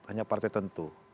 hanya partai tentu